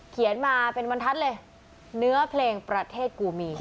เขียนมาเป็นบรรทัศน์เลยเนื้อเพลงประเทศกูมี